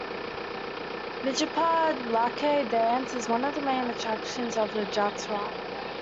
Majipa Lakhe dance is one of the main attractions of the jatra.